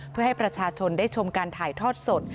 เพื่อให้ประชาชนได้ชมการถ่ายทอดสด